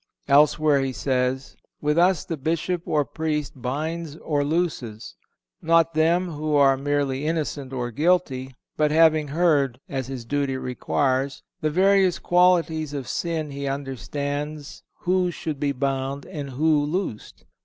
(454) Elsewhere he says: "With us the Bishop or Priest binds or looses—not them who are merely innocent or guilty—but having heard, as his duty requires, the various qualities of sin he understands who should be bound and who loosed."